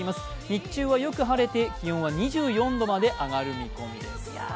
日中はよく晴れて気温は２４度まで上がる見込みです。